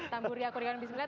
tamburi aku dengan bismillah